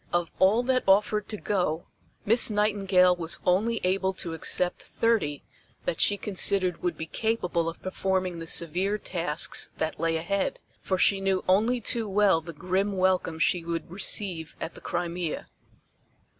Of all that offered to go Miss Nightingale was only able to accept thirty that she considered would be capable of performing the severe tasks that lay ahead, for she knew only too well the grim welcome she would receive at the Crimea.